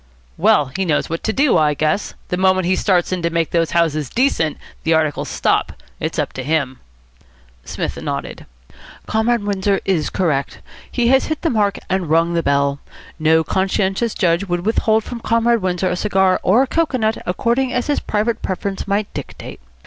"Well, he knows what to do, I guess. The moment he starts in to make those houses decent, the articles stop. It's up to him." Psmith nodded. "Comrade Windsor is correct. He has hit the mark and rung the bell. No conscientious judge would withhold from Comrade Windsor a cigar or a cocoanut, according as his private preference might dictate.